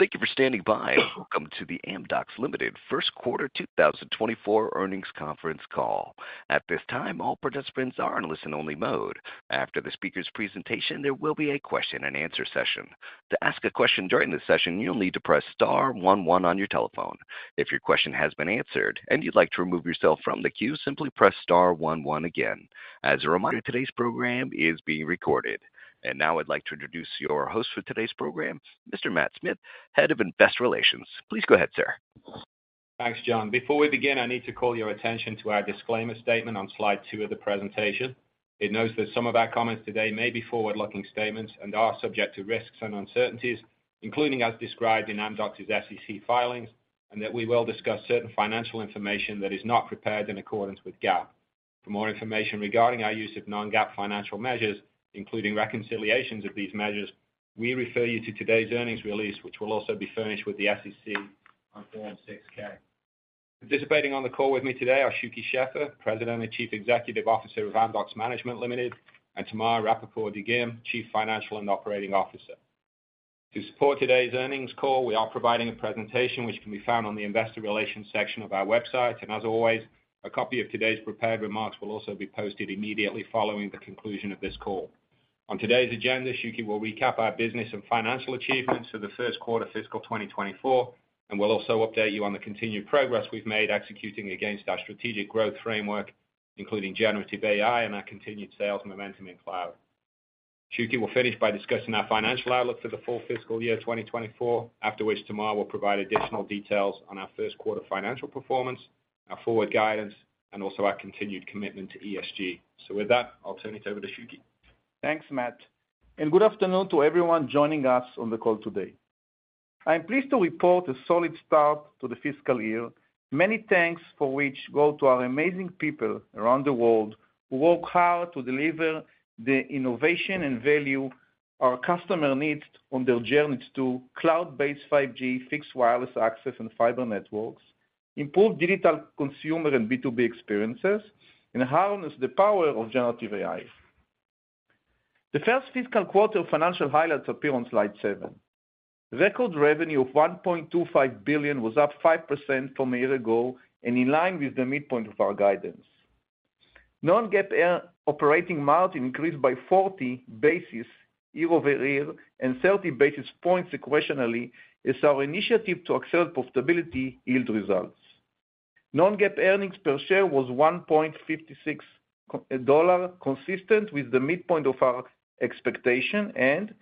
Thank you for standing by, and welcome to the Amdocs Limited First Quarter 2024 Earnings Conference Call. At this time, all participants are in listen-only mode. After the speaker's presentation, there will be a question-and-answer session. To ask a question during the session, you'll need to press star one one on your telephone. If your question has been answered and you'd like to remove yourself from the queue, simply press star one one again. As a reminder, today's program is being recorded. Now I'd like to introduce your host for today's program, Mr. Matt Smith, Head of Investor Relations. Please go ahead, sir. Thanks, John. Before we begin, I need to call your attention to our disclaimer statement on slide two of the presentation. It notes that some of our comments today may be forward-looking statements and are subject to risks and uncertainties, including as described in Amdocs' SEC filings, and that we will discuss certain financial information that is not prepared in accordance with GAAP. For more information regarding our use of non-GAAP financial measures, including reconciliations of these measures, we refer you to today's earnings release, which will also be furnished with the SEC on Form 6-K. Participating on the call with me today are Shuky Sheffer, President and Chief Executive Officer of Amdocs Management Limited, and Tamar Rapaport-Dagim, Chief Financial and Operating Officer. To support today's earnings call, we are providing a presentation which can be found on the investor relations section of our website. As always, a copy of today's prepared remarks will also be posted immediately following the conclusion of this call. On today's agenda, Shuky will recap our business and financial achievements for the first quarter fiscal 2024, and we'll also update you on the continued progress we've made executing against our strategic growth framework, including generative AI and our continued sales momentum in cloud. Shuky will finish by discussing our financial outlook for the full fiscal year 2024, after which Tamar will provide additional details on our first quarter financial performance, our forward guidance, and also our continued commitment to ESG. With that, I'll turn it over to Shuky. Thanks, Matt, and good afternoon to everyone joining us on the call today. I'm pleased to report a solid start to the fiscal year, many thanks for which go to our amazing people around the world, who work hard to deliver the innovation and value our customer needs on their journey to cloud-based 5G, fixed wireless access and fiber networks, improve digital consumer and B2B experiences, and harness the power of generative AI. The first fiscal quarter financial highlights appear on slide seven. Record revenue of $1.25 billion was up 5% from a year ago and in line with the midpoint of our guidance. Non-GAAP operating margin increased by 40 basis points year-over-year and 30 basis points sequentially as our initiative to accelerate profitability yield results. Non-GAAP earnings per share was $1.56, consistent with the midpoint of our expectation, and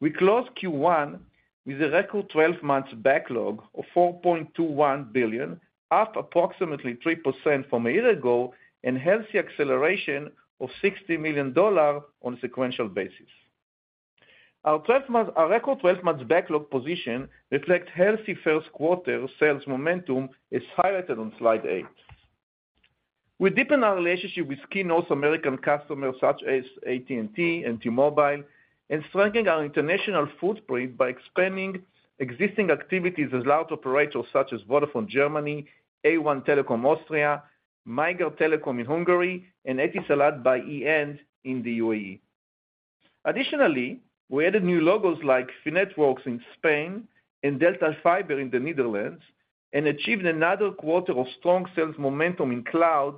we closed Q1 with a record 12 month backlog of $4.21 billion, up approximately 3% from a year ago, and healthy acceleration of $60 million on a sequential basis. Our record 12 month backlog position reflects healthy first quarter sales momentum, as highlighted on slide eight. We deepened our relationship with key North American customers such as AT&T and T-Mobile, and strengthening our international footprint by expanding existing activities with large operators such as Vodafone Germany, A1 Telekom Austria, Magyar Telekom in Hungary, and Etisalat by e& in the UAE. Additionally, we added new logos like Finetwork in Spain and Delta Fiber in the Netherlands, and achieved another quarter of strong sales momentum in cloud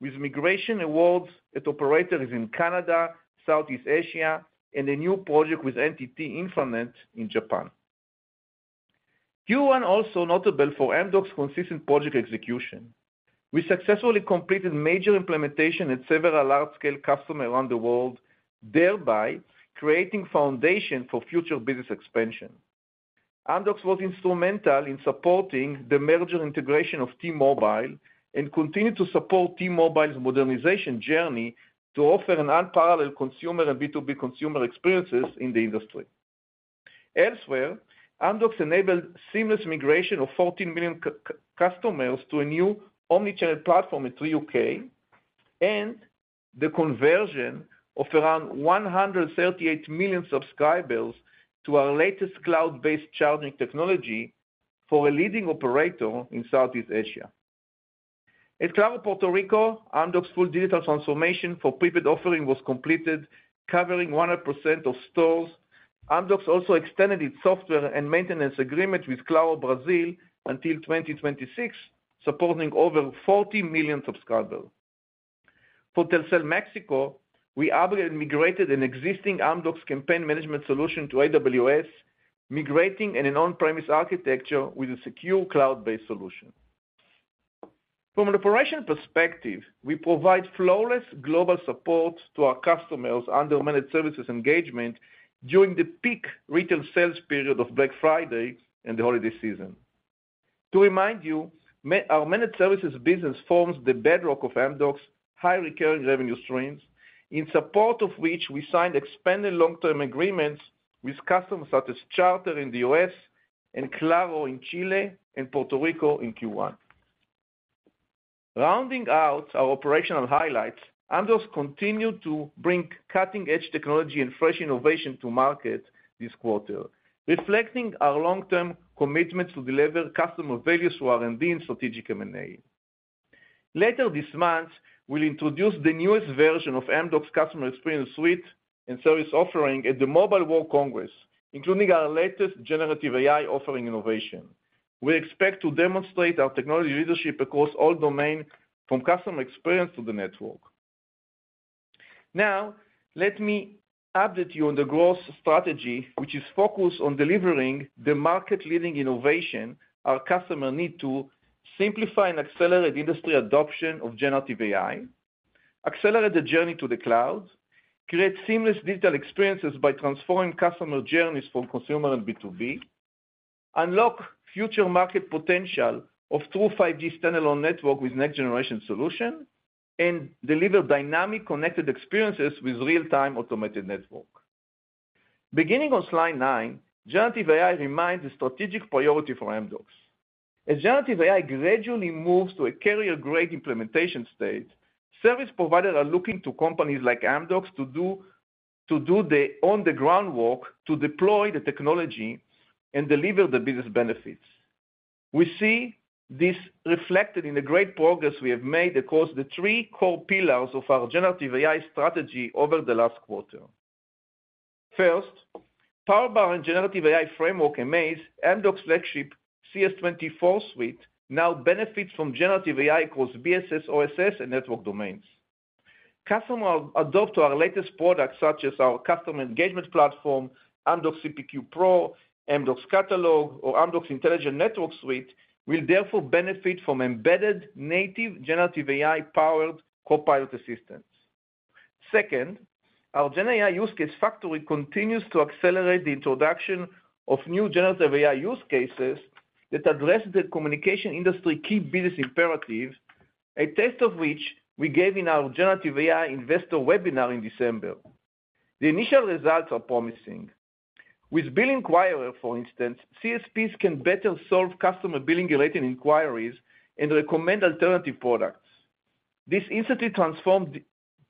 with migration awards at operators in Canada, Southeast Asia, and a new project with NTT Infomart in Japan. Q1 also notable for Amdocs' consistent project execution. We successfully completed major implementation at several large-scale customers around the world, thereby creating foundation for future business expansion. Amdocs was instrumental in supporting the merger integration of T-Mobile and continued to support T-Mobile's modernization journey to offer an unparalleled consumer and B2B consumer experiences in the industry. Elsewhere, Amdocs enabled seamless migration of 14 million customers to a new omnichannel platform in Three UK, and the conversion of around 138 million subscriber bills to our latest cloud-based charging technology for a leading operator in Southeast Asia. At Claro Puerto Rico, Amdocs' full digital transformation for prepaid offering was completed, covering 100% of stores. Amdocs also extended its software and maintenance agreement with Claro Brazil until 2026, supporting over 40 million subscribers. For Telcel Mexico, we upgraded and migrated an existing Amdocs campaign management solution to AWS, migrating an on-premise architecture with a secure cloud-based solution. From an operation perspective, we provide flawless global support to our customers under managed services engagement during the peak retail sales period of Black Friday and the holiday season. To remind you, our managed services business forms the bedrock of Amdocs' high recurring revenue streams, in support of which we signed expanded long-term agreements with customers such as Charter in the U.S. and Claro in Chile and Puerto Rico in Q1. Rounding out our operational highlights, Amdocs continued to bring cutting-edge technology and fresh innovation to market this quarter, reflecting our long-term commitment to deliver customer value through our R&D and strategic M&A. Later this month, we'll introduce the newest version of Amdocs Customer Experience Suite and service offering at the Mobile World Congress, including our latest generative AI offering innovation. We expect to demonstrate our technology leadership across all domain, from customer experience to the network. Now, let me update you on the growth strategy, which is focused on delivering the market-leading innovation our customer need to simplify and accelerate industry adoption of generative AI, accelerate the journey to the cloud, create seamless digital experiences by transforming customer journeys for consumer and B2B, unlock future market potential of true 5G standalone network with next-generation solution, and deliver dynamic connected experiences with real-time automated network. Beginning on slide nine, generative AI remains a strategic priority for Amdocs. As generative AI gradually moves to a carrier-grade implementation state, service providers are looking to companies like Amdocs to do the on-the-ground work to deploy the technology and deliver the business benefits. We see this reflected in the great progress we have made across the three core pillars of our generative AI strategy over the last quarter. First, powered by our generative AI framework, amAIz, Amdocs' flagship CES24 suite now benefits from generative AI across BSS, OSS, and network domains. Customers adopting our latest products, such as our customer engagement platform, Amdocs CPQ Pro, Amdocs Catalog, or Amdocs Intelligent Network Suite, will therefore benefit from embedded native generative AI-powered copilot assistance. Second, our GenAI Use Case Factory continues to accelerate the introduction of new generative AI use cases that address the communication industry key business imperatives, a taste of which we gave in our Generative AI Investor Webinar in December. The initial results are promising. With Bill Inquirer, for instance, CSPs can better solve customer billing-related inquiries and recommend alternative products. This instantly transformed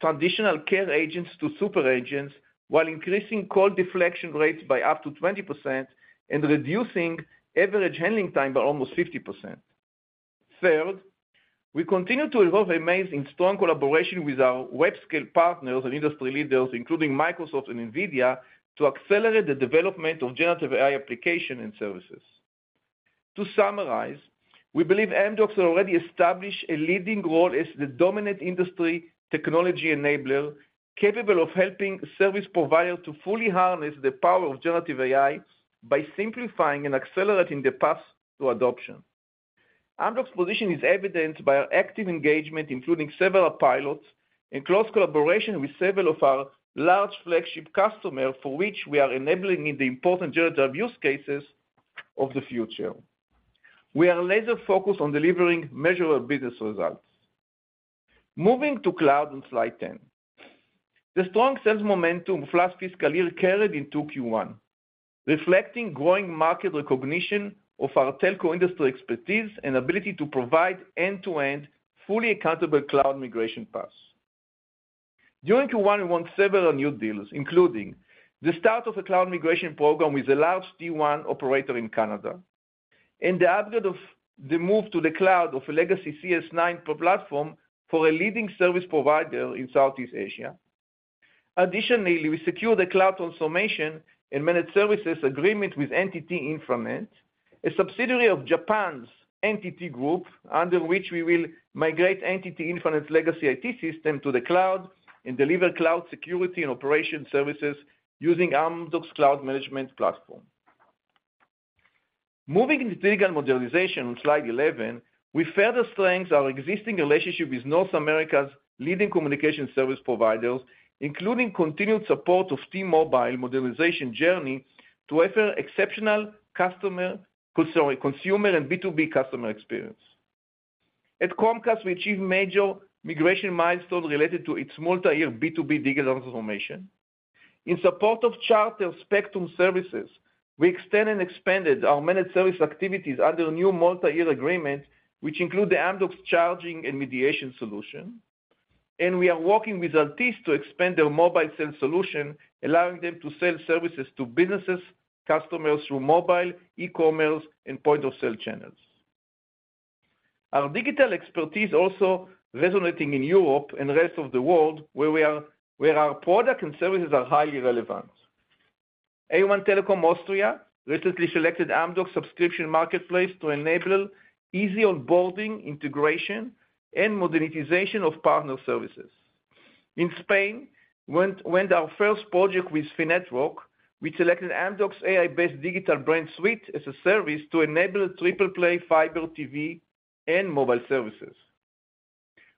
traditional care agents to super agents, while increasing call deflection rates by up to 20% and reducing average handling time by almost 50%. Third, we continue to evolve amAIz in strong collaboration with our web-scale partners and industry leaders, including Microsoft and NVIDIA, to accelerate the development of generative AI application and services. To summarize, we believe Amdocs has already established a leading role as the dominant industry technology enabler, capable of helping service provider to fully harness the power of generative AI by simplifying and accelerating the path to adoption. Amdocs' position is evidenced by our active engagement, including several pilots and close collaboration with several of our large flagship customer, for which we are enabling in the important generative use cases of the future. We are laser-focused on delivering measurable business results. Moving to cloud on slide 10. The strong sales momentum of last fiscal year carried into Q1, reflecting growing market recognition of our telco industry expertise and ability to provide end-to-end, fully accountable cloud migration paths. During Q1, we won several new deals, including the start of a cloud migration program with a large T1 operator in Canada, and the upgrade of the move to the cloud of a legacy CES Nine platform for a leading service provider in Southeast Asia. Additionally, we secured a cloud transformation and managed services agreement with NTT Infomart, a subsidiary of Japan's NTT Group, under which we will migrate NTT Infomart's legacy IT system to the cloud and deliver cloud security and operation services using Amdocs cloud management platform. Moving into digital modernization on slide 11, we further strengthened our existing relationship with North America's leading communications service providers, including continued support of T-Mobile modernization journey to offer exceptional customer, sorry, consumer and B2B customer experience. At Comcast, we achieved major migration milestone related to its multi-year B2B digital transformation. In support of Charter Spectrum services, we extend and expanded our managed service activities under a new multi-year agreement, which include the Amdocs charging and mediation solution. We are working with Altice to expand their mobile sales solution, allowing them to sell services to businesses, customers through mobile, e-commerce, and point-of-sale channels. Our digital expertise also resonating in Europe and the rest of the world, where our product and services are highly relevant. A1 Telekom Austria recently selected Amdocs Subscription Marketplace to enable easy onboarding, integration, and monetization of partner services. In Spain, with our first project with Finetwork, we selected Amdocs AI-based Digital Brand Suite as a service to enable triple-play fiber TV and mobile services.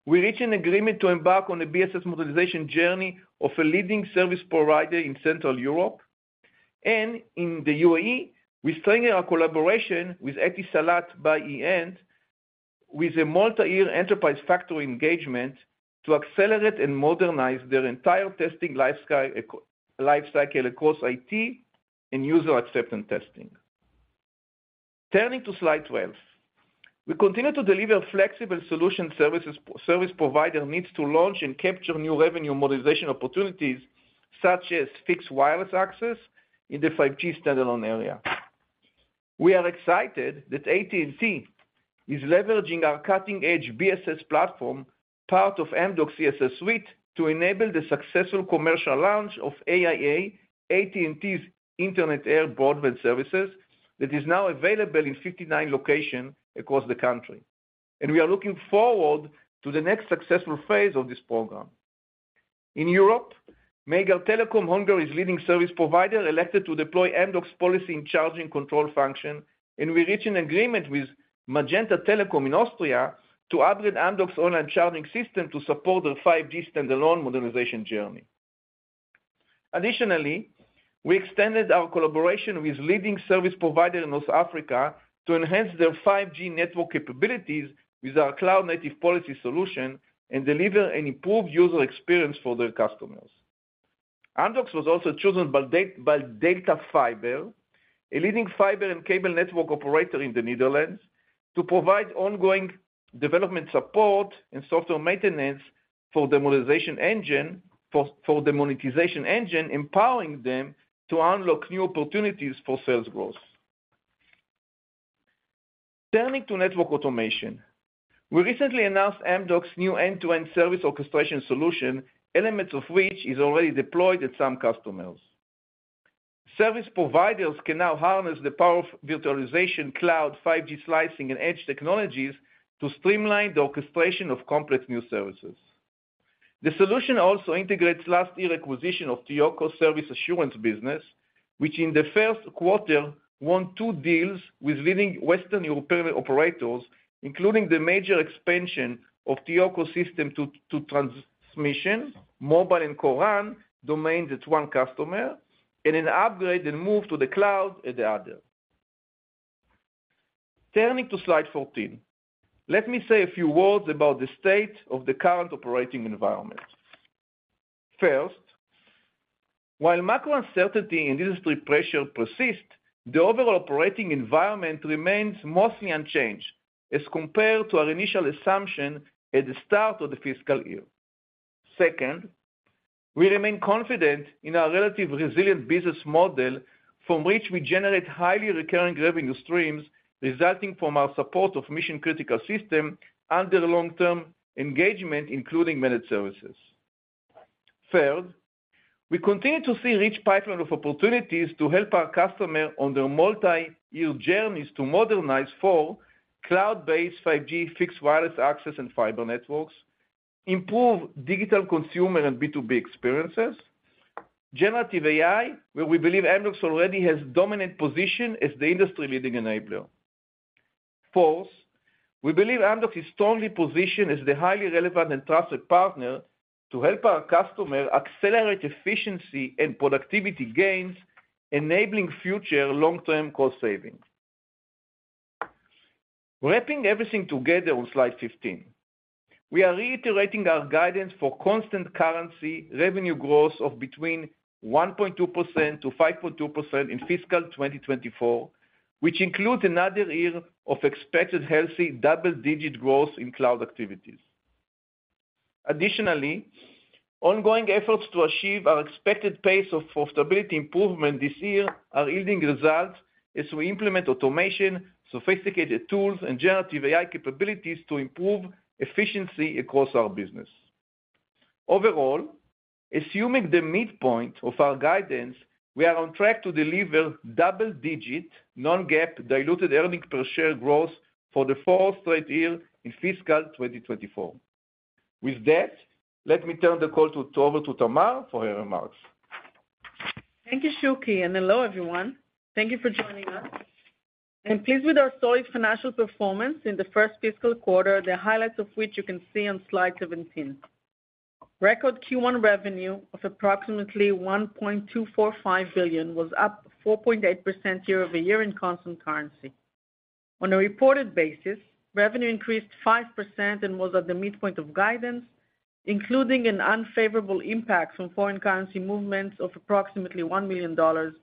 We reached an agreement to embark on a BSS modernization journey of a leading service provider in Central Europe. In the UAE, we strengthened our collaboration with Etisalat by e&, with a multi-year enterprise factory engagement to accelerate and modernize their entire testing lifecycle across IT and user acceptance testing. Turning to slide 12. We continue to deliver flexible solutions to service provider needs to launch and capture new revenue monetization opportunities, such as fixed wireless access in the 5G standalone era. We are excited that AT&T is leveraging our cutting-edge BSS platform, part of Amdocs CES Suite, to enable the successful commercial launch of AT&T Internet Air, AT&T's Internet Air broadband services, that is now available in 59 locations across the country. We are looking forward to the next successful phase of this program. In Europe, Magyar Telekom, Hungary's leading service provider, elected to deploy Amdocs policy and charging control function, and we reached an agreement with Magenta Telekom in Austria to upgrade Amdocs online charging system to support their 5G Standalone modernization journey. Additionally, we extended our collaboration with leading service provider in North Africa to enhance their 5G network capabilities with our cloud-native policy solution and deliver an improved user experience for their customers. Amdocs was also chosen by Delta Fiber, a leading fiber and cable network operator in the Netherlands, to provide ongoing development support and software maintenance for the monetization engine, empowering them to unlock new opportunities for sales growth. Turning to network automation. We recently announced Amdocs new end-to-end service orchestration solution, elements of which is already deployed at some customers. Service providers can now harness the power of virtualization, cloud, 5G slicing, and edge technologies to streamline the orchestration of complex new services. The solution also integrates last year acquisition of TEOCO Service Assurance business, which in the first quarter, won two deals with leading Western European operators, including the major expansion of TEOCO system to transmission, mobile, and core RAN domains, it's one customer, and an upgrade and move to the cloud at the other. Turning to slide 14. Let me say a few words about the state of the current operating environment. First, while macro uncertainty and industry pressure persist, the overall operating environment remains mostly unchanged as compared to our initial assumption at the start of the fiscal year. Second, we remain confident in our relatively resilient business model, from which we generate highly recurring revenue streams, resulting from our support of mission-critical system and their long-term engagement, including managed services. Third, we continue to see a rich pipeline of opportunities to help our customer on their multi-year journeys to modernize for cloud-based 5G, fixed wireless access, and fiber networks, improve digital consumer and B2B experiences, generative AI, where we believe Amdocs already has dominant position as the industry-leading enabler. Fourth, we believe Amdocs is strongly positioned as the highly relevant and trusted partner to help our customer accelerate efficiency and productivity gains, enabling future long-term cost savings. Wrapping everything together on slide 15, we are reiterating our guidance for constant currency revenue growth of between 1.2%-5.2% in fiscal 2024, which includes another year of expected healthy double-digit growth in cloud activities. Additionally, ongoing efforts to achieve our expected pace of profitability improvement this year are yielding results as we implement automation, sophisticated tools, and generative AI capabilities to improve efficiency across our business. Overall, assuming the midpoint of our guidance, we are on track to deliver double-digit, non-GAAP, diluted earnings per share growth for the fourth straight year in fiscal 2024. With that, let me turn the call to over to Tamar for her remarks. Thank you, Shuky, and hello, everyone. Thank you for joining us. I'm pleased with our solid financial performance in the first fiscal quarter, the highlights of which you can see on slide 17. Record Q1 revenue of approximately $1.245 billion was up 4.8% year-over-year in constant currency. On a reported basis, revenue increased 5% and was at the midpoint of guidance, including an unfavorable impact from foreign currency movements of approximately $1 million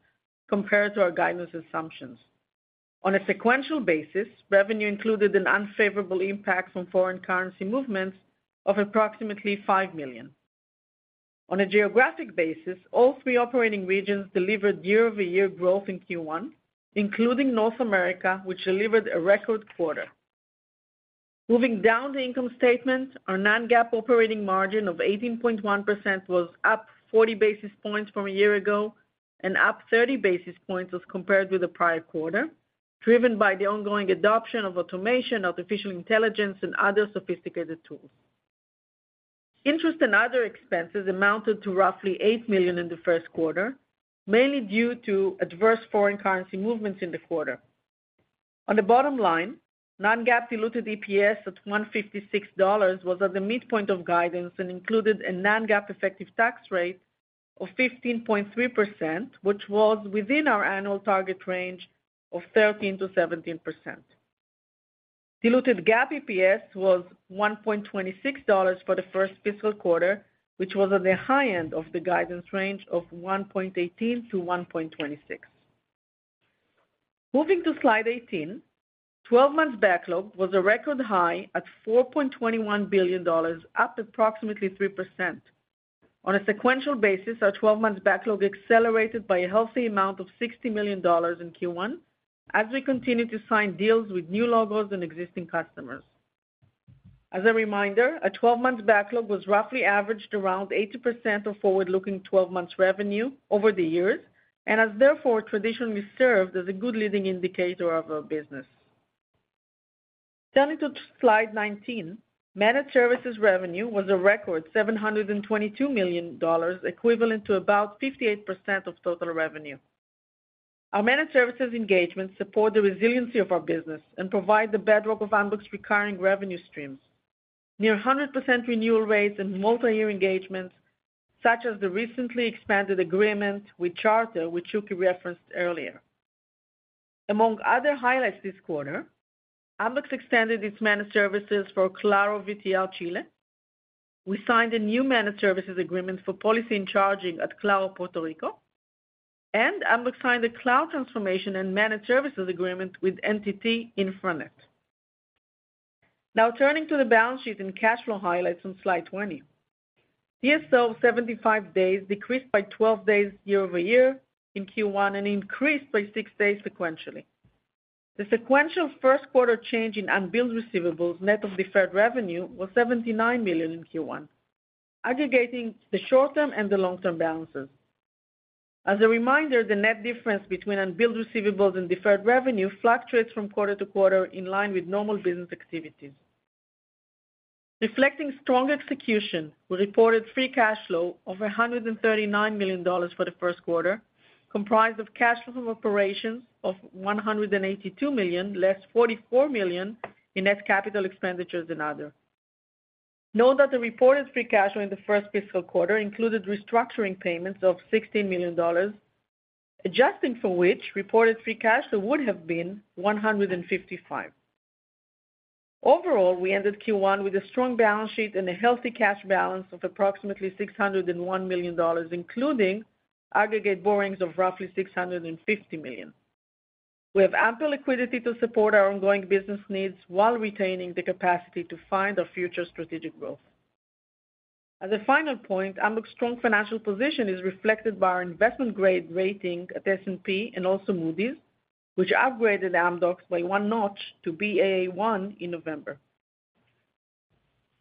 compared to our guidance assumptions. On a sequential basis, revenue included an unfavorable impact from foreign currency movements of approximately $5 million. On a geographic basis, all three operating regions delivered year-over-year growth in Q1, including North America, which delivered a record quarter. Moving down the income statement, our non-GAAP operating margin of 18.1% was up 40 basis points from a year ago and up 30 basis points as compared with the prior quarter, driven by the ongoing adoption of automation, artificial intelligence, and other sophisticated tools. Interest and other expenses amounted to roughly $8 million in the first quarter, mainly due to adverse foreign currency movements in the quarter. On the bottom line, non-GAAP diluted EPS at $1.56 was at the midpoint of guidance and included a non-GAAP effective tax rate of 15.3%, which was within our annual target range of 13%-17%. Diluted GAAP EPS was $1.26 for the first fiscal quarter, which was at the high end of the guidance range of $1.18-$1.26. Moving to slide 18. 12 month backlog was a record high at $4.21 billion, up approximately 3%.... On a sequential basis, our 12 month backlog accelerated by a healthy amount of $60 million in Q1, as we continued to sign deals with new logos and existing customers. As a reminder, a 12 month backlog was roughly averaged around 80% of forward-looking 12 month revenue over the years, and has therefore traditionally served as a good leading indicator of our business. Turning to slide 19, managed services revenue was a record $722 million, equivalent to about 58% of total revenue. Our managed services engagement support the resiliency of our business and provide the bedrock of Amdocs' recurring revenue streams. Near 100% renewal rates and multi-year engagements, such as the recently expanded agreement with Charter, which Shuky referenced earlier. Among other highlights this quarter, Amdocs extended its managed services for Claro VTR, Chile. We signed a new managed services agreement for policy and charging at Claro Puerto Rico, and Amdocs signed a cloud transformation and managed services agreement with NTT Infomart. Now turning to the balance sheet and cash flow highlights on slide 20. DSO of 75 days decreased by 12 days year-over-year in Q1, and increased by six days sequentially. The sequential first quarter change in unbilled receivables, net of deferred revenue, was $79 million in Q1, aggregating the short-term and the long-term balances. As a reminder, the net difference between unbilled receivables and deferred revenue fluctuates from quarter to quarter, in line with normal business activities. Reflecting strong execution, we reported free cash flow of $139 million for the first quarter, comprised of cash from operations of $182 million, less $44 million in net capital expenditures and other. Note that the reported free cash flow in the first fiscal quarter included restructuring payments of $16 million, adjusting for which, reported free cash flow would have been $155 million. Overall, we ended Q1 with a strong balance sheet and a healthy cash balance of approximately $601 million, including aggregate borrowings of roughly $650 million. We have ample liquidity to support our ongoing business needs while retaining the capacity to find our future strategic growth. As a final point, Amdocs' strong financial position is reflected by our investment-grade rating at S&P and also Moody's, which upgraded Amdocs by one notch to Baa1 in November.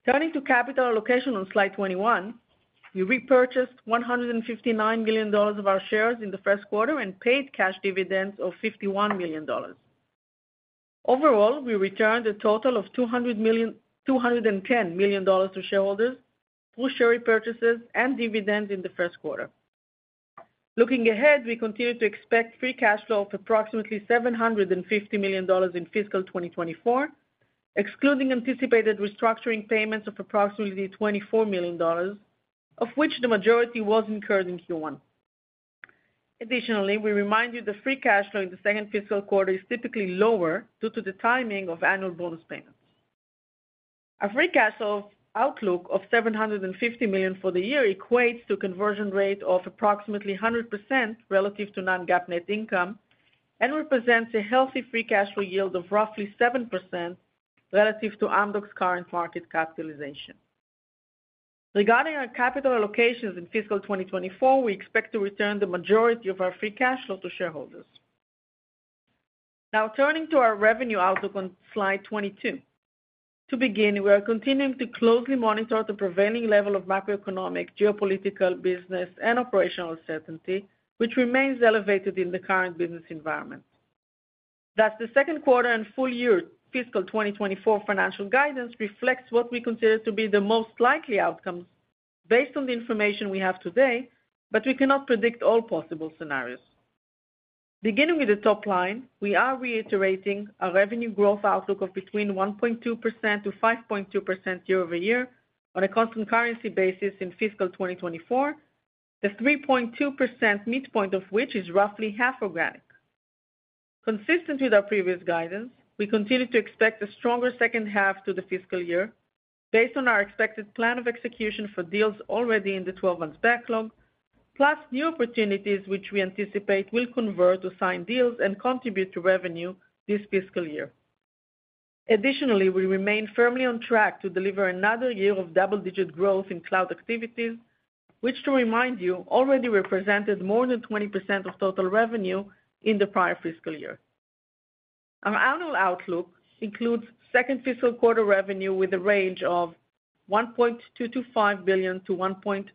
Turning to capital allocation on slide 21, we repurchased $159 million of our shares in the first quarter and paid cash dividends of $51 million. Overall, we returned a total of $210 million to shareholders through share repurchases and dividends in the first quarter. Looking ahead, we continue to expect free cash flow of approximately $750 million in fiscal 2024, excluding anticipated restructuring payments of approximately $24 million, of which the majority was incurred in Q1. Additionally, we remind you that free cash flow in the second fiscal quarter is typically lower due to the timing of annual bonus payments. Our free cash flow outlook of $750 million for the year equates to a conversion rate of approximately 100% relative to non-GAAP net income, and represents a healthy free cash flow yield of roughly 7% relative to Amdocs' current market capitalization. Regarding our capital allocations in fiscal 2024, we expect to return the majority of our free cash flow to shareholders. Now, turning to our revenue outlook on slide 22. To begin, we are continuing to closely monitor the prevailing level of macroeconomic, geopolitical, business, and operational uncertainty, which remains elevated in the current business environment. Thus, the second quarter and full-year fiscal 2024 financial guidance reflects what we consider to be the most likely outcomes based on the information we have today, but we cannot predict all possible scenarios. Beginning with the top line, we are reiterating a revenue growth outlook of between 1.2%-5.2% year-over-year on a constant currency basis in fiscal 2024. The 3.2% midpoint of which is roughly half organic. Consistent with our previous guidance, we continue to expect a stronger second half to the fiscal year based on our expected plan of execution for deals already in the 12 month backlog, plus new opportunities, which we anticipate will convert to signed deals and contribute to revenue this fiscal year. Additionally, we remain firmly on track to deliver another year of double-digit growth in cloud activities, which, to remind you, already represented more than 20% of total revenue in the prior fiscal year. Our annual outlook includes second fiscal quarter revenue with a range of $1.225 billion-$1.265 billion,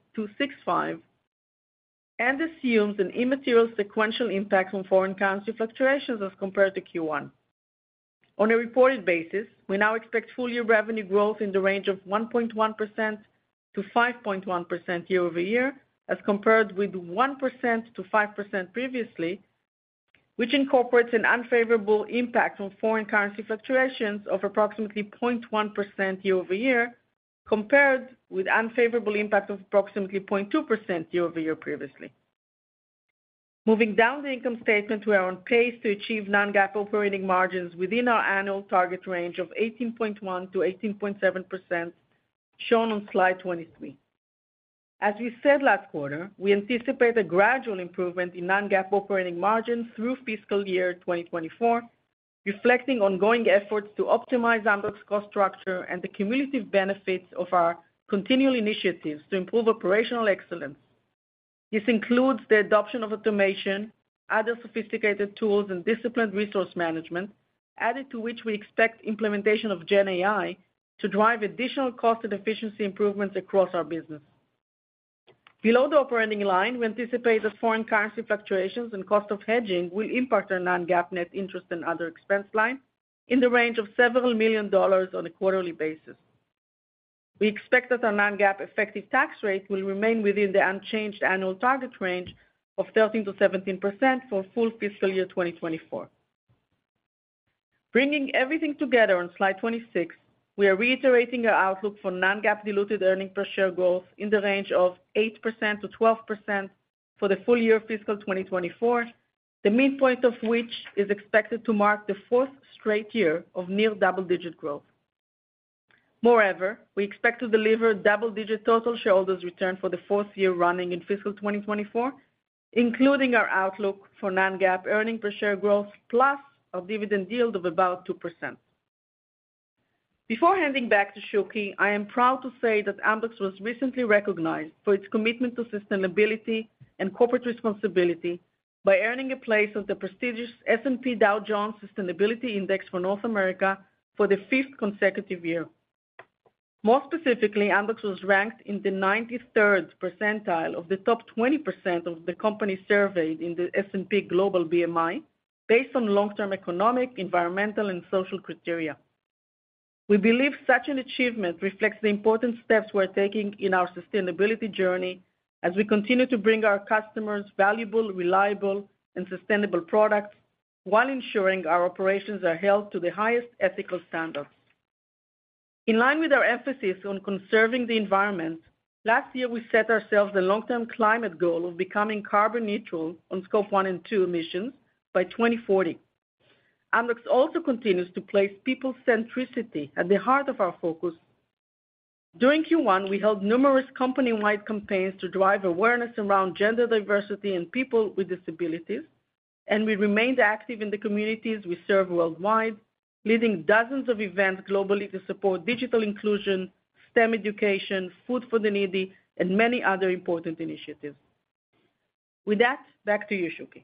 and assumes an immaterial sequential impact on foreign currency fluctuations as compared to Q1. On a reported basis, we now expect full-year revenue growth in the range of 1.1%-5.1% year-over-year, as compared with 1%-5% previously, which incorporates an unfavorable impact on foreign currency fluctuations of approximately 0.1% year-over-year, compared with unfavorable impact of approximately 0.2% year-over-year previously. Moving down the income statement, we are on pace to achieve non-GAAP operating margins within our annual target range of 18.1%-18.7%, shown on slide 23. As we said last quarter, we anticipate a gradual improvement in non-GAAP operating margins through fiscal year 2024, reflecting ongoing efforts to optimize Amdocs' cost structure and the cumulative benefits of our continual initiatives to improve operational excellence. This includes the adoption of automation, other sophisticated tools, and disciplined resource management, added to which we expect implementation of GenAI to drive additional cost and efficiency improvements across our business. Below the operating line, we anticipate that foreign currency fluctuations and cost of hedging will impact our non-GAAP net interest and other expense line in the range of $several million on a quarterly basis. We expect that our non-GAAP effective tax rate will remain within the unchanged annual target range of 13%-17% for full fiscal year 2024. Bringing everything together on slide 26, we are reiterating our outlook for non-GAAP diluted earnings per share growth in the range of 8%-12% for the full year of fiscal 2024, the midpoint of which is expected to mark the fourth straight year of near double-digit growth. Moreover, we expect to deliver double-digit total shareholders return for the fourth year running in fiscal 2024, including our outlook for non-GAAP earnings per share growth, plus a dividend yield of about 2%. Before handing back to Shuky, I am proud to say that Amdocs was recently recognized for its commitment to sustainability and corporate responsibility by earning a place on the prestigious S&P Dow Jones Sustainability Index for North America for the fifth consecutive year. More specifically, Amdocs was ranked in the 93rd percentile of the top 20% of the companies surveyed in the S&P Global BMI, based on long-term economic, environmental, and social criteria. We believe such an achievement reflects the important steps we're taking in our sustainability journey as we continue to bring our customers valuable, reliable, and sustainable products, while ensuring our operations are held to the highest ethical standards. In line with our emphasis on conserving the environment, last year, we set ourselves a long-term climate goal of becoming carbon neutral on Scope One and Two emissions by 2040. Amdocs also continues to place people centricity at the heart of our focus. During Q1, we held numerous company-wide campaigns to drive awareness around gender diversity and people with disabilities, and we remained active in the communities we serve worldwide, leading dozens of events globally to support digital inclusion, STEM education, food for the needy, and many other important initiatives. With that, back to you, Shuky.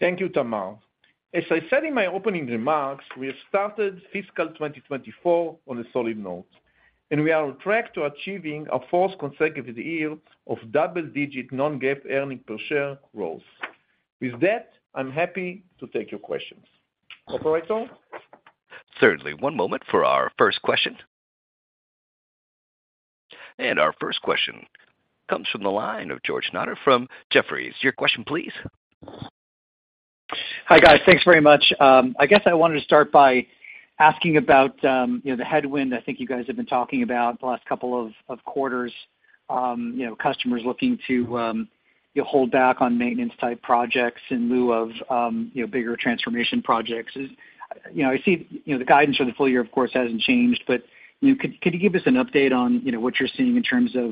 Thank you, Tamar. As I said in my opening remarks, we have started fiscal 2024 on a solid note, and we are on track to achieving a fourth consecutive year of double-digit non-GAAP earnings per share growth. With that, I'm happy to take your questions. Operator? Certainly. One moment for our first question. Our first question comes from the line of George Notter from Jefferies. Your question, please. Hi, guys. Thanks very much. I guess I wanted to start by asking about, you know, the headwind I think you guys have been talking about the last couple of, of quarters. You know, customers looking to, you know, hold back on maintenance-type projects in lieu of, you know, bigger transformation projects. You know, I see, you know, the guidance for the full year, of course, hasn't changed, but, you know, could, could you give us an update on, you know, what you're seeing in terms of,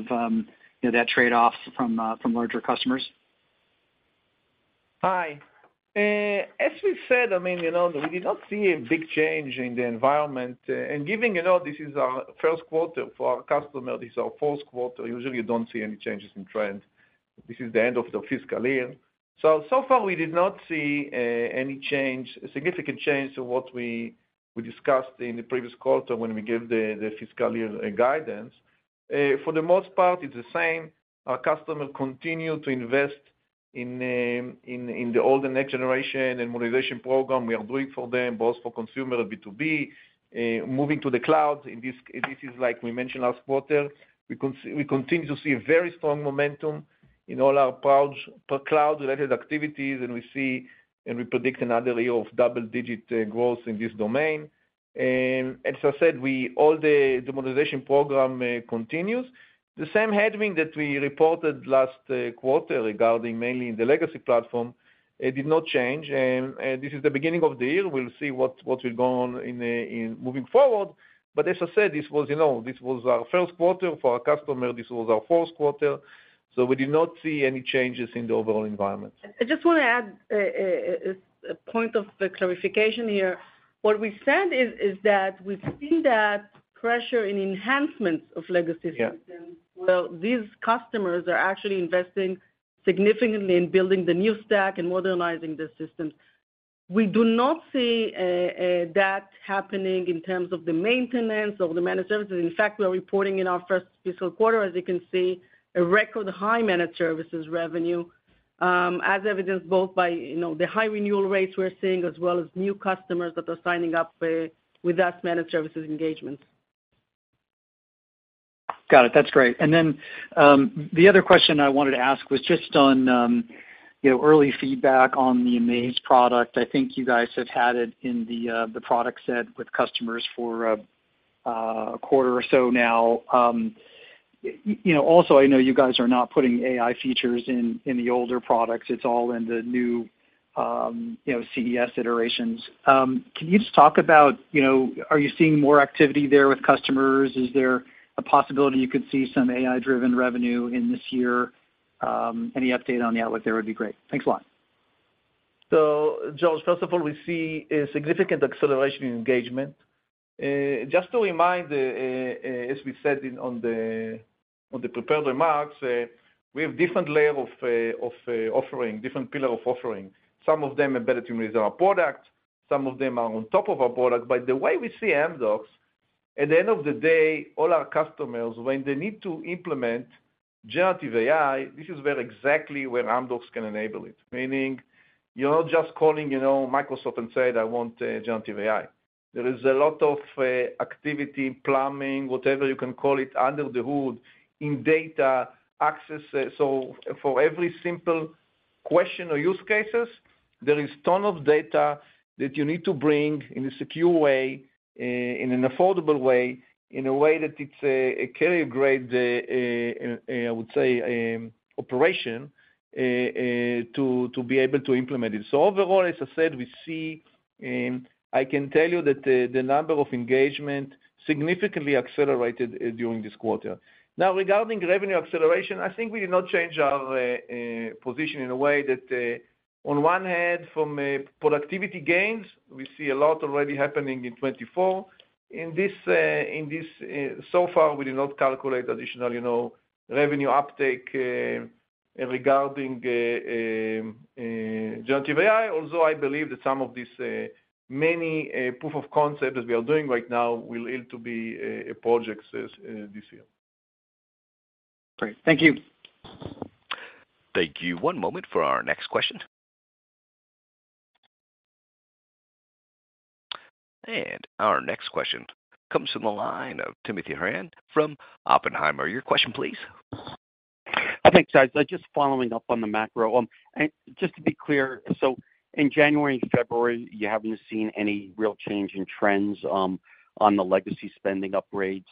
you know, that trade-off from, from larger customers? Hi. As we said, I mean, you know, we did not see a big change in the environment. And given, you know, this is our first quarter, for our customer, this is our fourth quarter, usually, you don't see any changes in trend. This is the end of the fiscal year. So, so far, we did not see any change, a significant change to what we discussed in the previous quarter when we gave the fiscal year guidance. For the most part, it's the same. Our customers continue to invest in the older next generation and modernization program we are doing for them, both for consumer and B2B. Moving to the cloud, and this, and this is like we mentioned last quarter, we continue to see a very strong momentum in all our products, cloud-related activities, and we see, and we predict another year of double-digit growth in this domain. And as I said, all the modernization program continues. The same headwind that we reported last quarter regarding mainly in the legacy platform, it did not change. And this is the beginning of the year. We'll see what will go on in moving forward. But as I said, this was, you know, this was our first quarter. For our customer, this was our fourth quarter, so we did not see any changes in the overall environment. I just want to add a point of clarification here. What we said is that we've seen that pressure in enhancements of legacy systems- Yeah. Well, these customers are actually investing significantly in building the new stack and modernizing the systems. We do not see that happening in terms of the maintenance of the managed services. In fact, we are reporting in our first fiscal quarter, as you can see, a record high managed services revenue, as evidenced both by, you know, the high renewal rates we're seeing, as well as new customers that are signing up with us managed services engagements. Got it. That's great. And then, the other question I wanted to ask was just on, you know, early feedback on the amAIz product. I think you guys have had it in the, the product set with customers for, a quarter or so now. You know, also, I know you guys are not putting AI features in the older products. It's all in the new, you know, CES iterations. Can you just talk about, you know, are you seeing more activity there with customers? Is there a possibility you could see some AI-driven revenue in this year?... any update on the outlook there would be great. Thanks a lot. So George, first of all, we see a significant acceleration in engagement. Just to remind, as we said in, on the, on the prepared remarks, we have different layer of, of, offering, different pillar of offering. Some of them are better tuned with our product, some of them are on top of our product. But the way we see Amdocs, at the end of the day, all our customers, when they need to implement generative AI, this is where exactly where Amdocs can enable it. Meaning, you're not just calling, you know, Microsoft and say, "I want a generative AI." There is a lot of, activity, plumbing, whatever you can call it, under the hood, in data access. So for every simple question or use cases, there is ton of data that you need to bring in a secure way, in an affordable way, in a way that it's a carrier-grade operation, I would say, to be able to implement it. So overall, as I said, we see, I can tell you that the number of engagement significantly accelerated during this quarter. Now, regarding revenue acceleration, I think we did not change our position in a way that, on one hand, from a productivity gains, we see a lot already happening in 2024. In this, so far, we did not calculate additional, you know, revenue uptake regarding generative AI. Also, I believe that some of these many proof of concept that we are doing right now will lead to be projects this year. Great. Thank you. Thank you. One moment for our next question. Our next question comes from the line of Timothy Horan from Oppenheimer. Your question, please. Thanks, guys. Just following up on the macro, and just to be clear, so in January and February, you haven't seen any real change in trends on the legacy spending upgrades,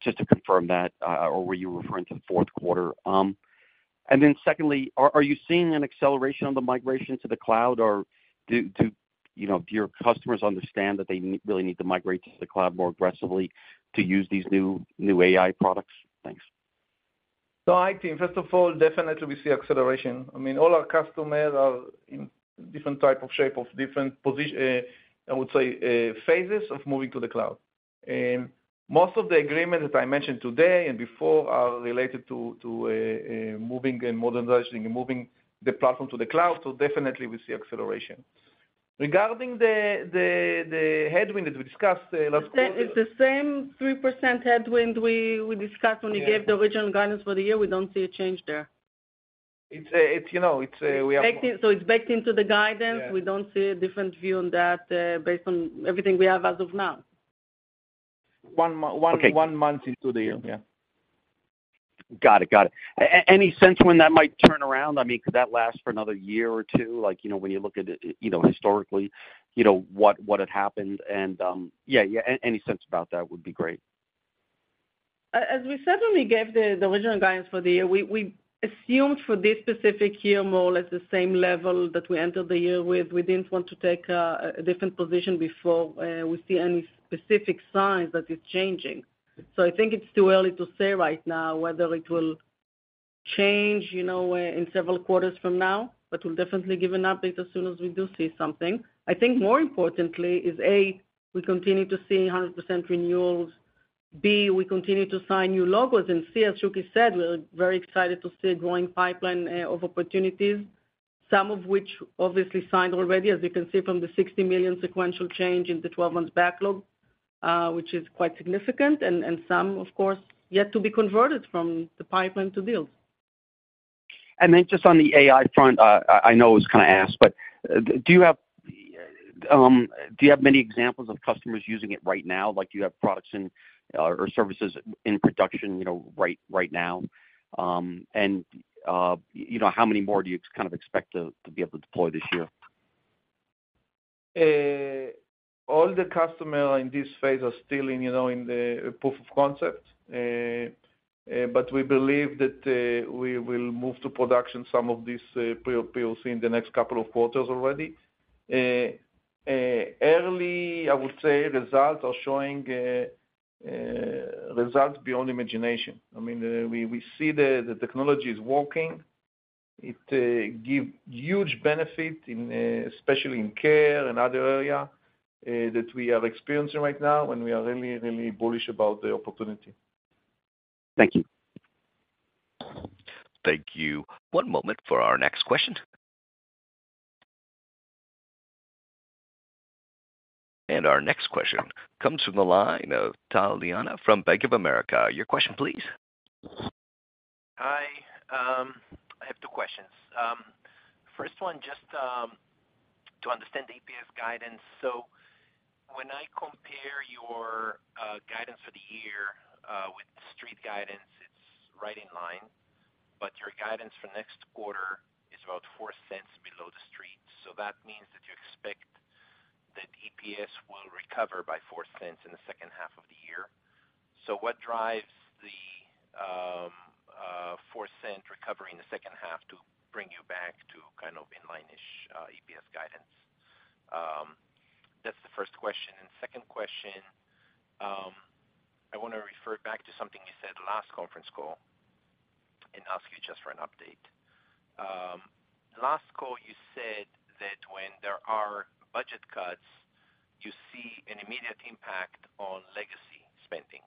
just to confirm that, or were you referring to the fourth quarter? And then secondly, are you seeing an acceleration on the migration to the cloud, or do you know, do your customers understand that they need really need to migrate to the cloud more aggressively to use these new AI products? Thanks. So I think, first of all, definitely we see acceleration. I mean, all our customers are in different type of shape, of different position, I would say, phases of moving to the cloud. Most of the agreements that I mentioned today and before are related to moving and modernizing and moving the platform to the cloud. So definitely we see acceleration. Regarding the headwind, as we discussed last quarter- It's the same 3% headwind we discussed- Yeah. when we gave the original guidance for the year. We don't see a change there. You know, it's a, we have- It's baked in, so it's baked into the guidance. Yeah. We don't see a different view on that, based on everything we have as of now. One month- Okay. One month into the year. Yeah. Got it. Got it. Any sense when that might turn around? I mean, could that last for another year or two? Like, you know, when you look at it, you know, historically, you know, what had happened and, yeah, yeah, any sense about that would be great. As we said, when we gave the original guidance for the year, we assumed for this specific year, more or less the same level that we entered the year with. We didn't want to take a different position before we see any specific signs that it's changing. So I think it's too early to say right now whether it will change, you know, in several quarters from now, but we'll definitely give an update as soon as we do see something. I think more importantly is, A, we continue to see 100% renewals, B, we continue to sign new logos, and C, as Shuky said, we're very excited to see a growing pipeline of opportunities, some of which obviously signed already, as you can see from the $60 million sequential change in the 12 month backlog, which is quite significant, and some, of course, yet to be converted from the pipeline to bills. Then just on the AI front, I know it was kinda asked, but do you have many examples of customers using it right now? Like, do you have products in or services in production, you know, right now? And you know, how many more do you kind of expect to be able to deploy this year? All the customer in this phase are still in, you know, in the proof of concept. But we believe that we will move to production some of these POC in the next couple of quarters already. Early, I would say, results are showing results beyond imagination. I mean, we see the technology is working. It give huge benefit in, especially in care and other area, that we are experiencing right now, and we are really, really bullish about the opportunity. Thank you. Thank you. One moment for our next question. Our next question comes from the line of Tal Liani from Bank of America. Your question, please. Hi. I have two questions. First one, just to understand the EPS guidance. So when I compare your guidance for the year with Street guidance, it's right in line, but your guidance for next quarter is about $0.04 below the Street. So that means that you expect that EPS will recover by $0.04 in the second half of the year. So what drives the $0.04 recovery in the second half to bring you back to kind of in-line-ish EPS guidance? That's the first question. And second question, I want to refer back to something you said last conference call and ask you just for an update. Last call, you said that when there are budget cuts, you see an immediate impact on legacy spending,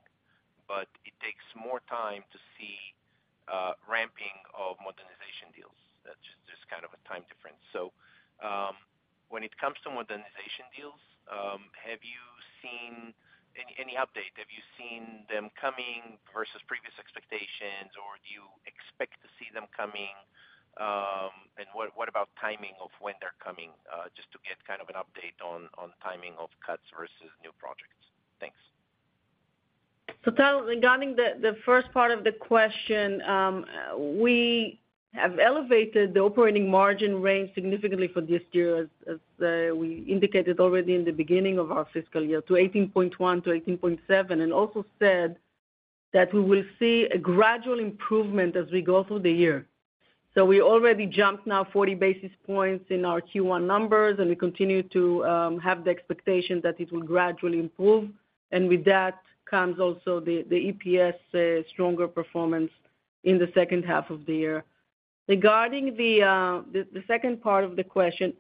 but it takes more time to see ramping of modernization deals. That's just kind of a time difference. So, when it comes to modernization deals, have you seen any update? Have you seen them coming versus previous expectations, or do you expect to see them coming? And what about timing of when they're coming, just to get kind of an update on timing of cuts versus new projects? Thanks. So regarding the first part of the question, we have elevated the operating margin range significantly for this year, as we indicated already in the beginning of our fiscal year, to 18.1-18.7, and also said that we will see a gradual improvement as we go through the year. So we already jumped now 40 basis points in our Q1 numbers, and we continue to have the expectation that it will gradually improve. And with that, comes also the EPS stronger performance in the second half of the year. Regarding the second part of the question,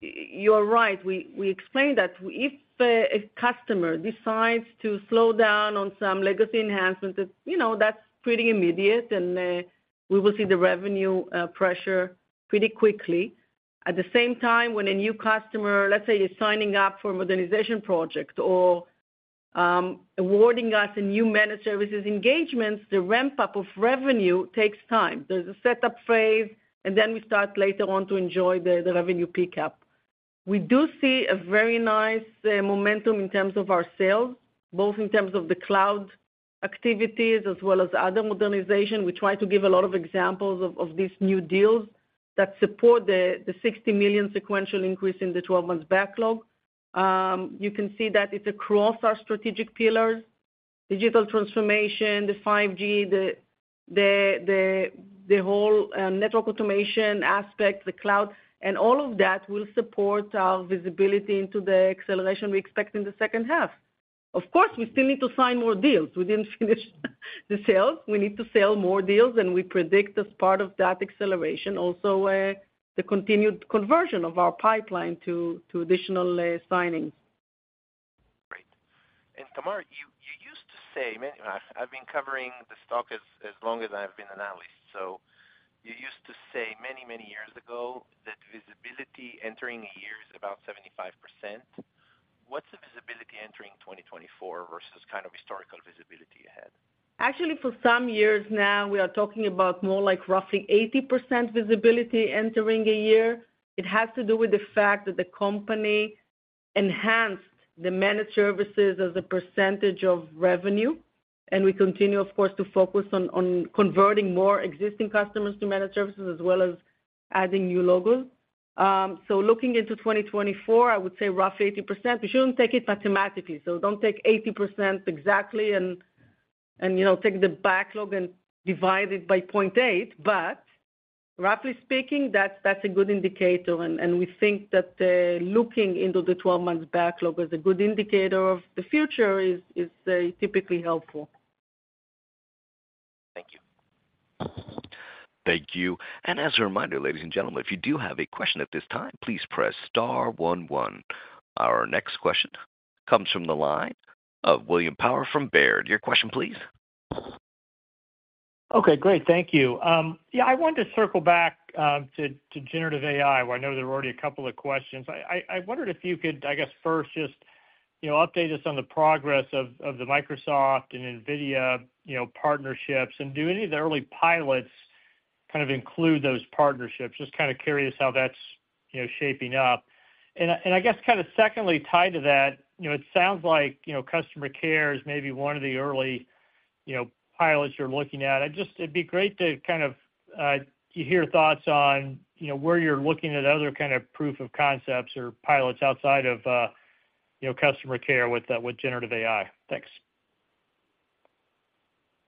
you're right. We explained that if a customer decides to slow down on some legacy enhancement, that you know, that's pretty immediate, and we will see the revenue pressure pretty quickly. At the same time, when a new customer, let's say, is signing up for a modernization project or awarding us a new Managed Services engagement, the ramp-up of revenue takes time. There's a setup phase, and then we start later on to enjoy the revenue pickup. We do see a very nice momentum in terms of our sales, both in terms of the cloud activities as well as other modernization. We try to give a lot of examples of these new deals that support the $60 million sequential increase in the 12 month backlog. You can see that it's across our strategic pillars, digital transformation, the 5G, the whole network automation aspect, the cloud, and all of that will support our visibility into the acceleration we expect in the second half. Of course, we still need to sign more deals. We didn't finish the sales. We need to sell more deals, and we predict, as part of that acceleration, also, the continued conversion of our pipeline to additional signings. Great. And Tamar, you used to say, many... I've been covering the stock as long as I've been an analyst. So you used to say many, many years ago that visibility entering a year is about 75%. What's the visibility entering 2024 versus kind of historical visibility ahead? Actually, for some years now, we are talking about more like roughly 80% visibility entering a year. It has to do with the fact that the company enhanced the managed services as a percentage of revenue, and we continue, of course, to focus on converting more existing customers to managed services, as well as adding new logos. So looking into 2024, I would say roughly 80%. We shouldn't take it mathematically, so don't take 80% exactly and, you know, take the backlog and divide it by 0.8. But roughly speaking, that's a good indicator, and we think that looking into the 12 month backlog as a good indicator of the future is typically helpful. Thank you. Thank you. As a reminder, ladies and gentlemen, if you do have a question at this time, please press star one one. Our next question comes from the line of William Power from Baird. Your question, please. Okay, great. Thank you. Yeah, I wanted to circle back to generative AI, where I know there were already a couple of questions. I wondered if you could, I guess, first, just, you know, update us on the progress of the Microsoft and NVIDIA, you know, partnerships, and do any of the early pilots kind of include those partnerships? Just kind of curious how that's, you know, shaping up. And I guess kind of secondly, tied to that, you know, it sounds like, you know, customer care is maybe one of the early, you know, pilots you're looking at. I just-- It'd be great to kind of hear thoughts on, you know, where you're looking at other kind of proof of concepts or pilots outside of, you know, customer care with generative AI. Thanks.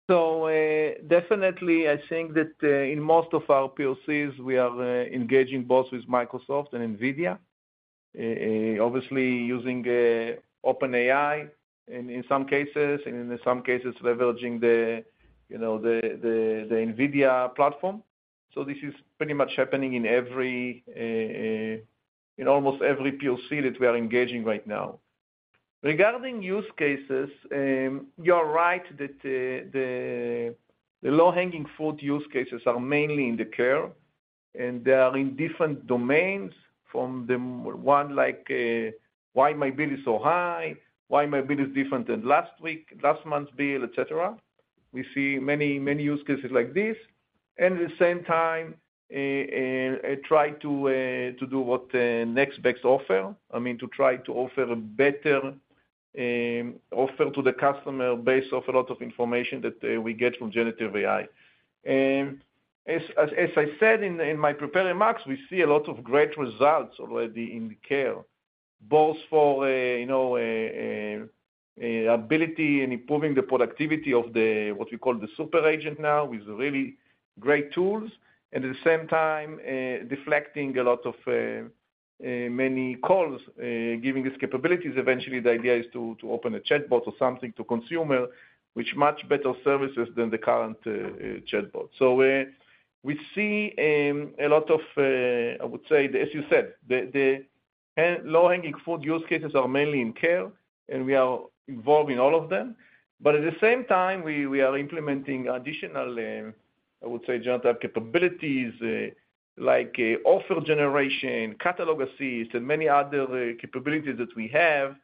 So, definitely, I think that, in most of our POCs, we are, engaging both with Microsoft and NVIDIA, obviously using, OpenAI in, in some cases, and in some cases, leveraging the, you know, the, the, the NVIDIA platform. So this is pretty much happening in every, in almost every POC that we are engaging right now. Regarding use cases, you are right that the, the, the low-hanging fruit use cases are mainly in the care, and they are in different domains, from the one like, why my bill is so high, why my bill is different than last week, last month's bill, et cetera. We see many, many use cases like this, and at the same time, try to, to do what, next best offer. I mean, to try to offer a better offer to the customer based off a lot of information that we get from generative AI. As I said in my prepared remarks, we see a lot of great results already in the care, both for you know, ability in improving the productivity of what we call the super agent now, with really great tools, and at the same time, deflecting a lot of many calls, giving us capabilities. Eventually, the idea is to open a chatbot or something to consumer, which much better services than the current chatbot. So, we see a lot of, I would say, as you said, the low-hanging fruit use cases are mainly in care, and we are involved in all of them. But at the same time, we are implementing additional, I would say, generative capabilities, like offer generation, catalog assist, and many other capabilities that we have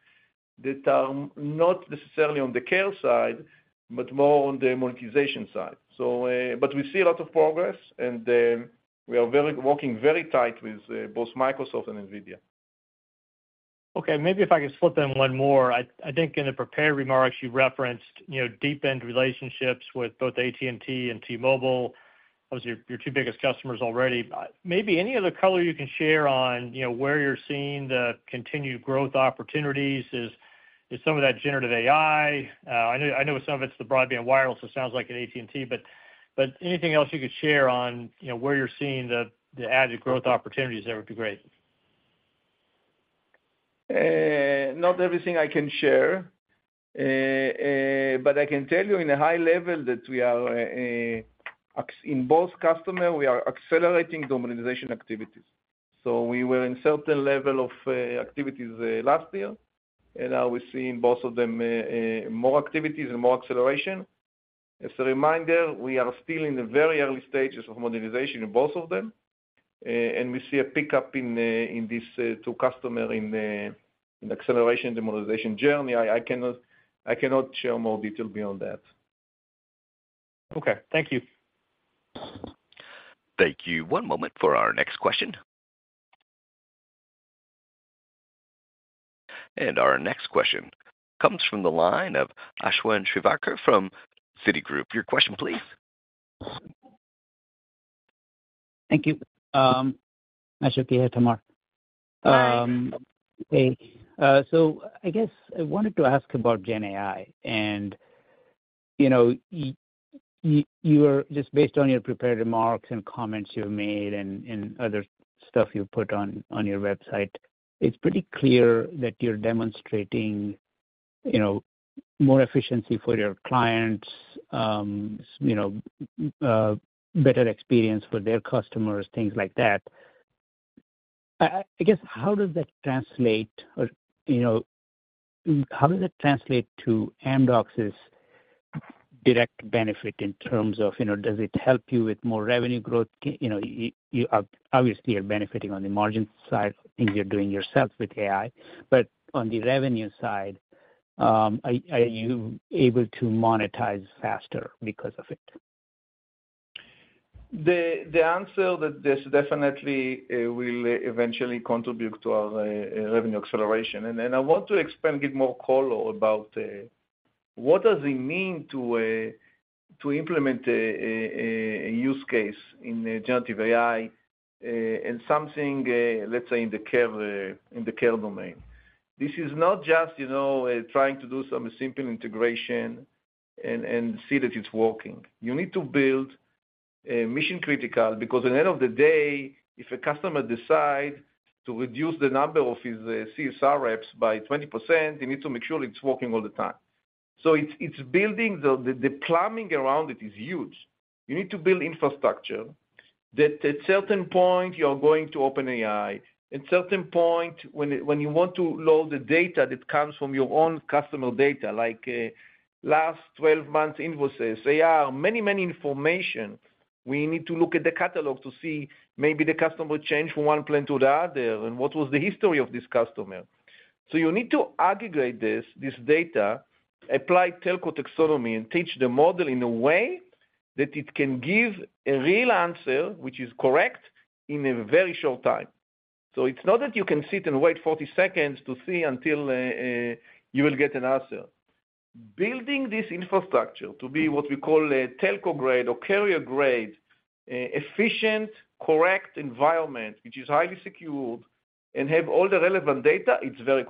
that are not necessarily on the care side, but more on the monetization side. So, but we see a lot of progress, and we are very working very tight with both Microsoft and NVIDIA. Okay, maybe if I could slip in one more. I think in the prepared remarks, you referenced, you know, deep-end relationships with both AT&T and T-Mobile. Those are your two biggest customers already. Maybe any other color you can share on, you know, where you're seeing the continued growth opportunities? Is some of that generative AI? I know, I know some of it's the broadband wireless, it sounds like at AT&T, but anything else you could share on, you know, where you're seeing the added growth opportunities there would be great. Not everything I can share, but I can tell you in a high level that we are in both customer, we are accelerating the monetization activities. So we were in certain level of activities last year, and now we're seeing both of them more activities and more acceleration. As a reminder, we are still in the very early stages of monetization in both of them, and we see a pickup in these two customer in the acceleration, the monetization journey. I cannot share more detail beyond that. Okay. Thank you. Thank you. One moment for our next question. Our next question comes from the line of Ashwin Shirvaikar from Citigroup. Your question, please. Thank you. Ashwin here, Tamar. Hi. Okay, so I guess I wanted to ask about GenAI. And, you know, you were... Just based on your prepared remarks and comments you've made and other stuff you put on your website, it's pretty clear that you're demonstrating, you know, more efficiency for your clients, you know, better experience for their customers, things like that. I guess, how does that translate or, you know, how does it translate to Amdocs' direct benefit in terms of, you know, does it help you with more revenue growth? You know, you obviously are benefiting on the margin side, things you're doing yourself with AI, but on the revenue side, are you able to monetize faster because of it? The answer that this definitely will eventually contribute to our revenue acceleration. And then I want to expand, give more color about what does it mean to implement a use case in the generative AI, and something, let's say, in the care, in the care domain. This is not just, you know, trying to do some simple integration and see that it's working. You need to build mission-critical, because at the end of the day, if a customer decide to reduce the number of his CSR reps by 20%, you need to make sure it's working all the time. So it's building the plumbing around it is huge. You need to build infrastructure that at certain point you're going to OpenAI, at certain point, when you want to load the data that comes from your own customer data, like last 12 months invoices. There are many, many information we need to look at the catalog to see maybe the customer changed from one plan to the other, and what was the history of this customer. So you need to aggregate this, this data, apply telco taxonomy, and teach the model in a way that it can give a real answer, which is correct, in a very short time. So it's not that you can sit and wait 40 seconds to see until you will get an answer. Building this infrastructure to be what we call a telco-grade or carrier-grade, efficient, correct environment, which is highly secured and have all the relevant data, it's very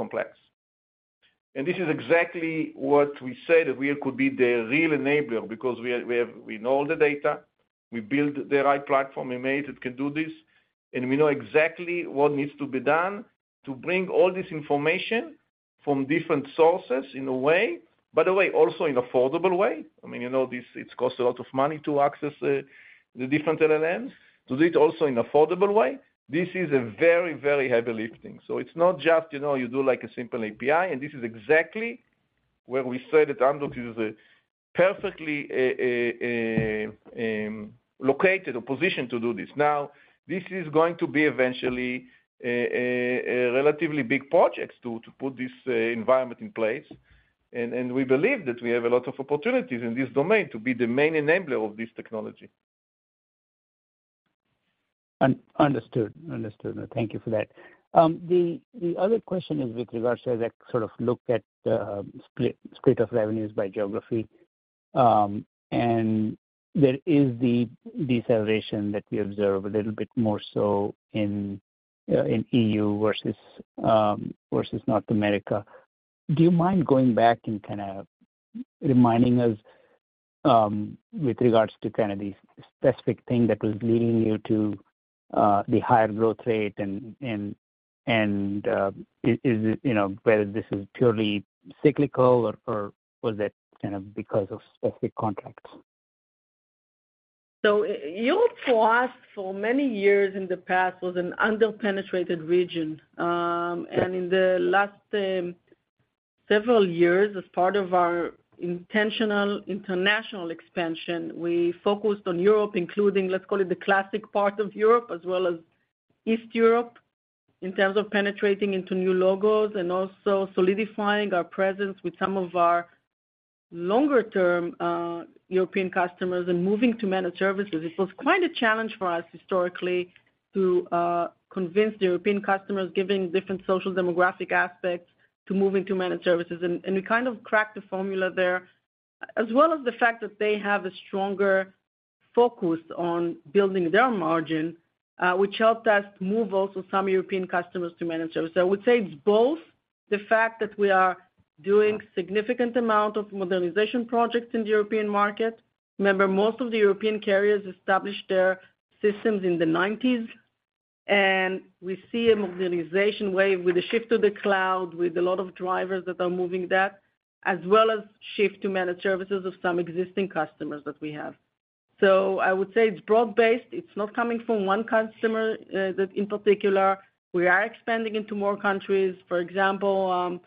complex. And this is exactly what we said, we could be the real enabler because we have—we know all the data, we build the right platform, we made it, it can do this, and we know exactly what needs to be done to bring all this information from different sources in a way, by the way, also in affordable way. I mean, you know, this, it costs a lot of money to access the different LLMs. To do it also in affordable way, this is a very, very heavy lifting. So it's not just, you know, you do like a simple API, and this is exactly where we say that Amdocs is a perfectly located or positioned to do this. Now, this is going to be eventually a relatively big projects to put this environment in place. And we believe that we have a lot of opportunities in this domain to be the main enabler of this technology. Understood. Understood. Thank you for that. The other question is with regards to that sort of look at the split of revenues by geography. And there is the deceleration that we observe a little bit more so in EU versus North America. Do you mind going back and kind of reminding us with regards to kind of the specific thing that was leading you to the higher growth rate and is it, you know, whether this is purely cyclical or was it kind of because of specific contracts? Europe, for us, for many years in the past, was an under-penetrated region. Yeah. and in the last several years, as part of our intentional international expansion, we focused on Europe, including, let's call it, the classic part of Europe, as well as East Europe, in terms of penetrating into new logos and also solidifying our presence with some of our longer-term European customers and moving to managed services. It was quite a challenge for us historically to convince European customers, given different social demographic aspects, to move into managed services. And we kind of cracked the formula there. As well as the fact that they have a stronger focus on building their margin, which helped us move also some European customers to managed services. So I would say it's both the fact that we are doing significant amount of modernization projects in the European market. Remember, most of the European carriers established their systems in the nineties, and we see a modernization wave with a shift to the cloud, with a lot of drivers that are moving that, as well as shift to managed services of some existing customers that we have. So I would say it's broad-based. It's not coming from one customer, that in particular. We are expanding into more countries. For example,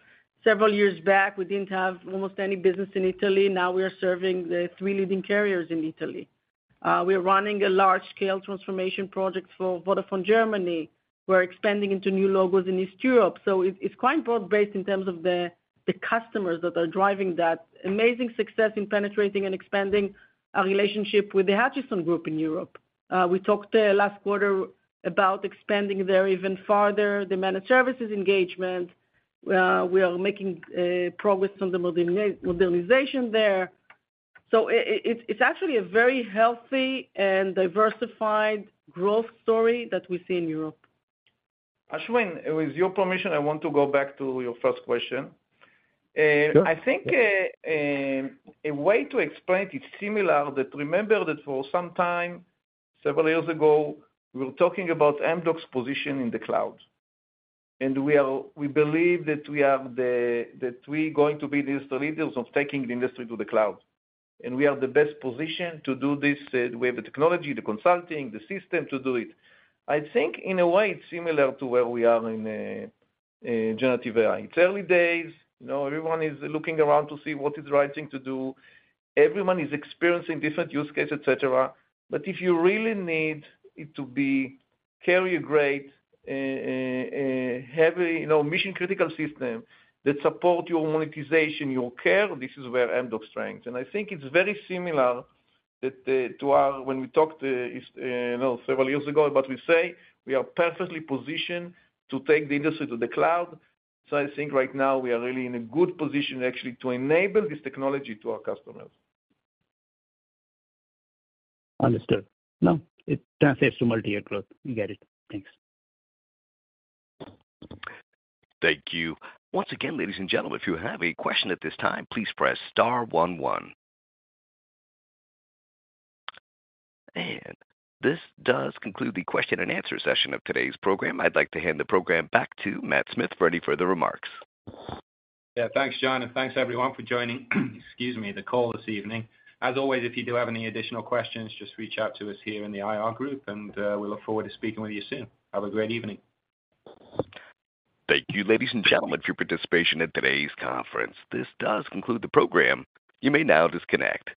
several years back, we didn't have almost any business in Italy. Now we are serving the three leading carriers in Italy. We are running a large-scale transformation project for Vodafone Germany. We're expanding into new logos in East Europe, so it's quite broad-based in terms of the customers that are driving that amazing success in penetrating and expanding our relationship with the Hutchison Group in Europe. We talked last quarter about expanding there even farther, the managed services engagement. We are making progress on the modernization there. So it's actually a very healthy and diversified growth story that we see in Europe. Ashwin, with your permission, I want to go back to your first question. Sure. I think, a way to explain it, it's similar, that remember that for some time, several years ago, we were talking about Amdocs' position in the cloud. We are... We believe that we are the, that we going to be the leaders of taking the industry to the cloud, and we are the best position to do this. We have the technology, the consulting, the system to do it. I think in a way it's similar to where we are in, generative AI. It's early days, you know, everyone is looking around to see what is the right thing to do. Everyone is experiencing different use cases, et cetera. But if you really need it to be carrier grade, heavy, you know, mission-critical system that support your monetization, your care, this is where Amdocs strengths. I think it's very similar that, to our when we talked, you know, several years ago, but we say we are perfectly positioned to take the industry to the cloud. I think right now we are really in a good position actually to enable this technology to our customers. Understood. No, it translates to multi-year growth. We get it. Thanks. Thank you. Once again, ladies and gentlemen, if you have a question at this time, please press star one, one. And this does conclude the question and answer session of today's program. I'd like to hand the program back to Matt Smith for any further remarks. Yeah, thanks, John, and thanks, everyone, for joining, excuse me, the call this evening. As always, if you do have any additional questions, just reach out to us here in the IR group, and we look forward to speaking with you soon. Have a great evening. Thank you, ladies and gentlemen, for your participation in today's conference. This does conclude the program. You may now disconnect.